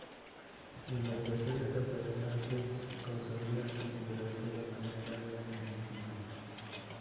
En la tercera etapa Merckx consolida su liderazgo de manera definitiva.